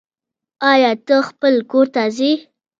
آيا ته خپل کور ته ځي